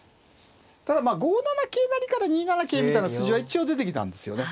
ただまあ５七桂成から２七桂みたいな筋は一応出てきたんですよね。